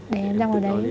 để em ra ngoài đấy